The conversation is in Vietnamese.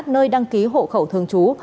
nơi đăng ký hộ khẩu thường chú